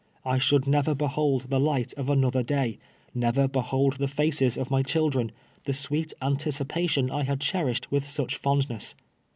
I should never behold the light of anotlier day — never behold the faces of my children — the sweet anticipation I had cherished with such fondness.